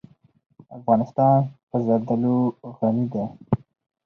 افغانستان په زردالو غني دی.